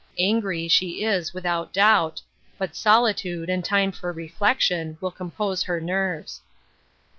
Angry, she is, without doubt ; but solitude, and time for reflection, will compose her nerves."